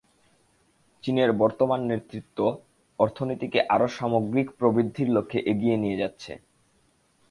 চীনের বর্তমান নেতৃত্ব অর্থনীতিকে আরও সামগ্রিক প্রবৃদ্ধির লক্ষ্যে এগিয়ে নিয়ে যাচ্ছে।